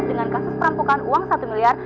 dengan kasus perampokan uang satu miliar